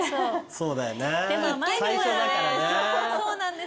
そうだよな。